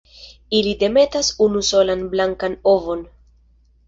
Ili demetas unusolan blankan ovon.